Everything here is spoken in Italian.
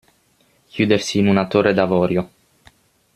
Chiudersi in una torre d'avorio.